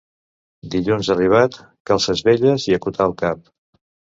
Dilluns arribat, calces velles i acotar el cap.